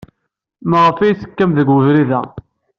Maɣef ay tekkam seg ubrid-a?